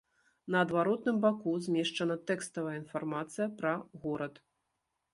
На адваротным баку змешчана тэкставая інфармацыя пра горад.